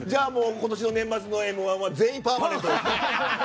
今年の年末の「Ｍ‐１」は全員パーマネントやな。